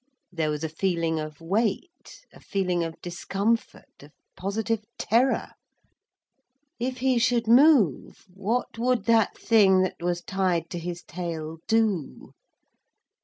There was a feeling of weight, a feeling of discomfort, of positive terror. If he should move, what would that thing that was tied to his tail do?